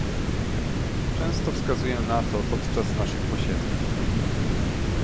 Często wskazuję na to podczas naszych posiedzeń